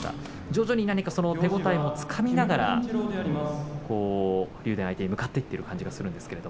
徐々に手応えもつかみながら竜電に向かっていっている感じがしますが。